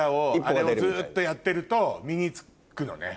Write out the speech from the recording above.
あれをずっとやってると身に付くのね。